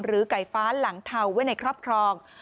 ไก่ฟ้าหลังเทาไว้ในครอบครอง